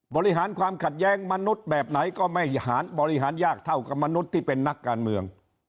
บริหารความขัดแย้งมนุษย์แบบไหนก็ไม่บริหารยากเท่ากับมนุษย์ที่เป็นนักการเมือง